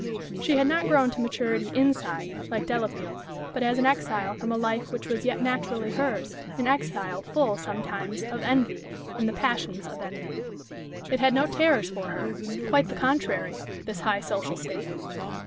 She had not grown to maturity inside, like Delafield, but as an exile from a life which was yet naturally hers an exile, full, sometimes, of envy, and the passions of envy. It had no terrors for her quite the contrary this high social state.